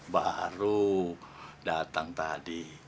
baru datang tadi